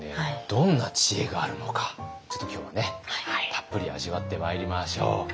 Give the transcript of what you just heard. どんな知恵があるのかちょっと今日はねたっぷり味わってまいりましょう。